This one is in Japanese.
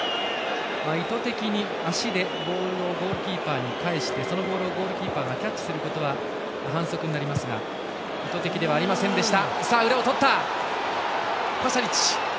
意図的に足でボールをゴールキーパーに返してそのボールをゴールキーパーがキャッチすることは反則になりますが意図的ではありませんでした。